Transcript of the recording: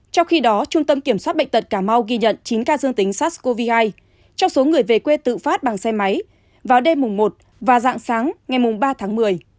trong khi đó trung tâm kiểm soát bệnh tật cà mau ghi nhận chín ca dương tính sars cov hai trong số người về quê tự phát bằng xe máy vào đêm mùng một và dạng sáng ngày ba tháng một mươi